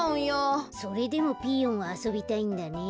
それでもピーヨンはあそびたいんだね。